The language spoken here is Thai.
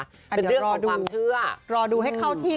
เรื่องตอบความเชื่อน่ะรอดูให้เข้าที่่